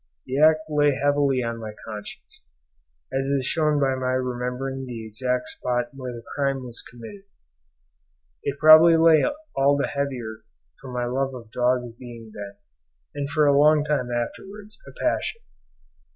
This act lay heavily on my conscience, as is shown by my remembering the exact spot where the crime was committed. It probably lay all the heavier from my love of dogs being then, and for a long time afterwards, a passion.